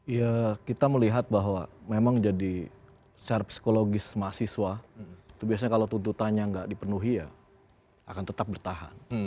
ya kita melihat bahwa memang jadi secara psikologis mahasiswa itu biasanya kalau tuntutannya nggak dipenuhi ya akan tetap bertahan